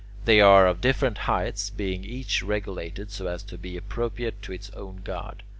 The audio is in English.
They are of different heights, being each regulated so as to be appropriate to its own god.